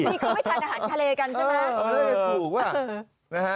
อันนี้เขาไม่ทานอาหารคาเลกันใช่ไหม